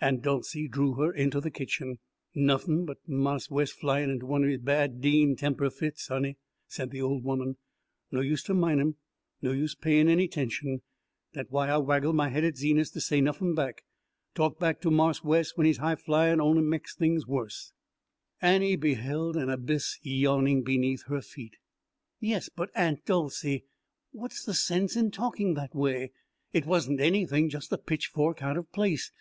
Aunt Dolcey drew her into the kitchen. "Nuffin' but Marse Wes flyin' int' one his bad Dean temper fits, honey," said the old woman "No use to min' him. No use payin' any 'tention. Dat why I waggle my head at Zenas to say nuffin' back. Talk back to Marse Wes when he's high flyin' on'y meks things worse." Annie beheld an abyss yawning beneath her feet. "Yes, but, Aunt Dolcey what's the sense in talking that way? It wasn't anything, just a pitchfork out of place.